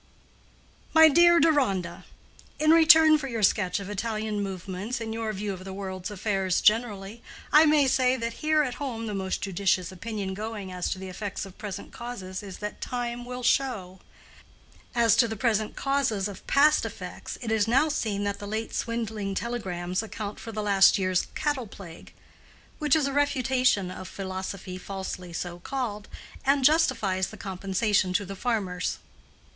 MY DEAR DERONDA,—In return for your sketch of Italian movements and your view of the world's affairs generally, I may say that here at home the most judicious opinion going as to the effects of present causes is that "time will show." As to the present causes of past effects, it is now seen that the late swindling telegrams account for the last year's cattle plague—which is a refutation of philosophy falsely so called, and justifies the compensation to the farmers.